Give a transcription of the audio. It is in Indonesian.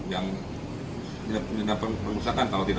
yang tindak pidana perusakan kalau tidak